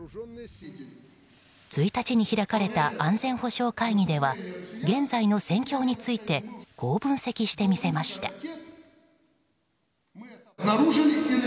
１日に開かれた安全保障会議では現在の戦況についてこう分析してみせました。